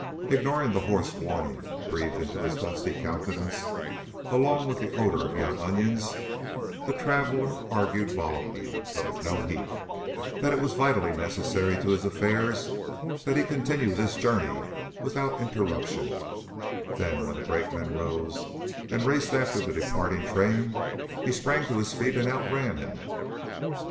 Ignoring the hoarse warning breathed into his dusty countenance, along with the odor of young onions, the traveler argued volubly, but with no heat, that it was vitally necessary to his affairs that he continue this journey without interruption; then, when the brakeman rose and raced after the departing train, he sprang to his feet and outran him.